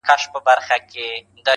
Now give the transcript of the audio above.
ځوانیمرګي ځوانۍ ځه مخته دي ښه شه.!